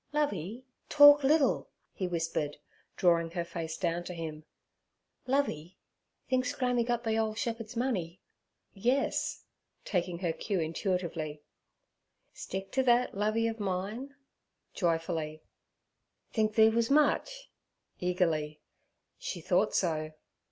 'Lovey, talk liddle' he whispered, drawing her face down to him. 'Lovey, think Scrammy gut the ole shep'e'd's money?' 'Yes' taking her cue intuitively. 'Stick to thet, Lovey ov mine' joyfully. 'Think the'e wuz much?' eagerly. She thought so.